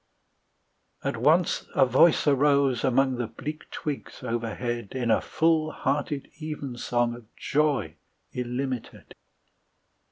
At once a voice arose among The bleak twigs overhead, In a full hearted evensong Of joy illimited.